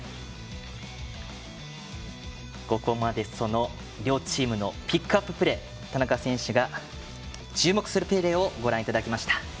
ここまで両チームのピックアッププレー田中選手が注目するプレーをご覧いただきました。